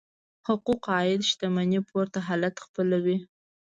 حقوق عاید شتمنۍ پورته حالت خپلوي.